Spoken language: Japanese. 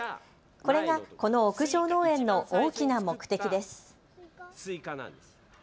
これがこの屋上農園の大きな目的です。